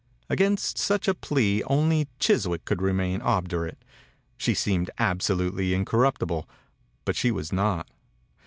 Against such a plea only Chis wick could remain obdurate. She seemed absolutely incor ruptible, but she was not.